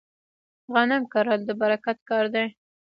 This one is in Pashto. غنم کرل د برکت کار دی.